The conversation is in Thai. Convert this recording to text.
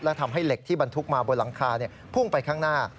และทำให้เหล็กที่บรรทุกมาบนหลังคาพุ่งไปข้างหน้า